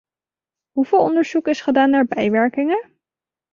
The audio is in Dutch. Hoeveel onderzoek is gedaan naar bijwerkingen?